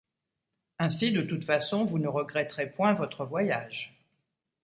Ainsi, de toute façon, vous ne regretterez point votre voyage.